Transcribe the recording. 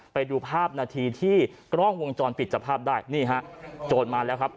ไปดูภาพนาทีที่กล้องวงจรปิดจับภาพได้นี่ฮะโจรมาแล้วครับ